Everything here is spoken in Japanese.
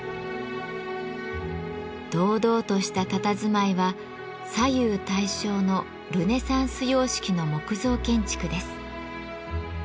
堂々としたたたずまいは左右対称のルネサンス様式の木造建築です。